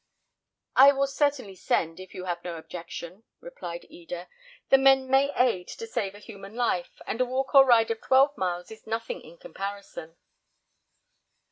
"I will certainly send, if you have no objection," replied Eda. "The men may aid to save a human life, and a walk or ride of twelve miles is nothing in comparison."